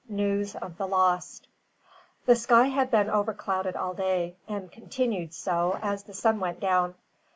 NEWS OF THE LOST. The sky had been overclouded all day, and continued so as the sun went down.